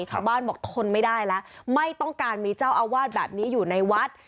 ชาวบ้านบอกทนไม่ได้แล้วไม่ต้องการมีเจ้าอาวาสแบบนี้อยู่ในวัด